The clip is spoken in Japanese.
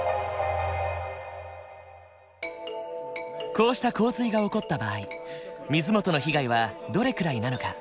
こうした洪水が起こった場合水元の被害はどれくらいなのか？